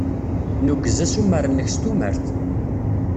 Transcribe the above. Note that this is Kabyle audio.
Nugez assumer-nnek s tumert.